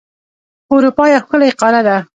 اروپا یو ښکلی قاره ده.